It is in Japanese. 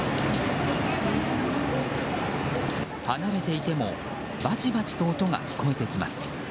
離れていてもバチバチと音が聞こえます。